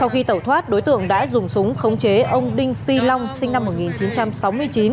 khi tẩu thoát đối tượng đã dùng súng khống chế ông đinh phi long sinh năm một nghìn chín trăm sáu mươi chín